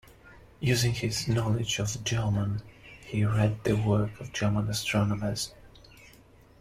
Using his knowledge of German he read the work of German astronomers.